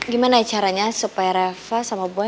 gimana caranya supaya reva sama boy gak ketemuan